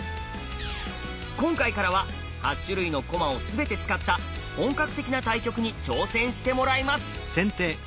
今回からは８種類の駒を全て使った本格的な対局に挑戦してもらいます！